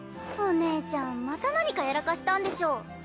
お姉ちゃんまた何かやらかしたんでしょ？